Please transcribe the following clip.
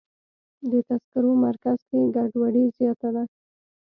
د تذکرو مرکز کې ګډوډي زیاته ده.